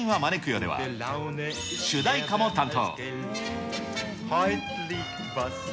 では、主題歌も担当。